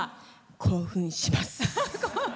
興奮します。